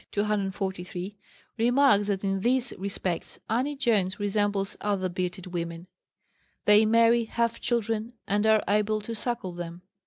243), remarks that in these respects Annie Jones resembles other "bearded women"; they marry, have children, and are able to suckle them.